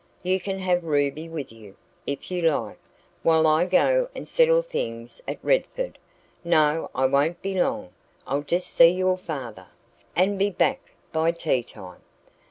You can have Ruby with you, if you like while I go and settle things at Redford. No, I won't be long; I'll just see your father, and be back by tea time.